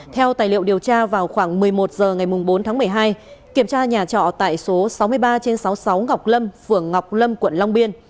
theo tài liệu điều tra vào khoảng một mươi một h ngày bốn tháng một mươi hai kiểm tra nhà trọ tại số sáu mươi ba trên sáu mươi sáu ngọc lâm phường ngọc lâm quận long biên